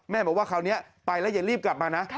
บอกว่าคราวนี้ไปแล้วอย่ารีบกลับมานะ